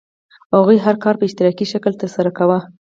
هغوی هر کار په اشتراکي شکل ترسره کاوه.